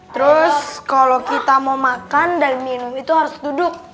terus kalau kita mau makan dan minum itu harus duduk